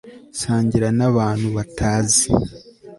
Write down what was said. sangira n'abantu batazi